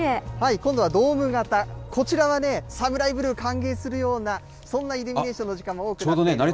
今度はドーム型、こちらはね、サムライブルーを歓迎するような、そんなイルミネーションの時間も多くなっています。